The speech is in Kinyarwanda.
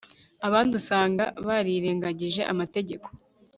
Abandi usanga barirengagije amategeko